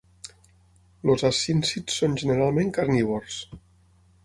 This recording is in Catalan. Els escíncids són generalment carnívors.